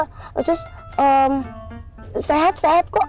terus sehat sehat kok